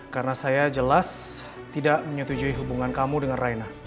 karena saya jelas tidak menyetujui hubungan kamu dengan raina